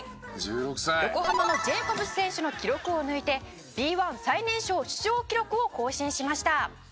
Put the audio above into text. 「横浜のジェイコブス選手の記録を抜いてＢ１最年少出場記録を更新しました」